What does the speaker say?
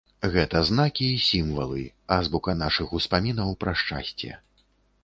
Гэта знакі і сімвалы, азбука нашых успамінаў пра шчасце.